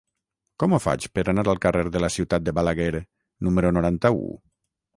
Com ho faig per anar al carrer de la Ciutat de Balaguer número noranta-u?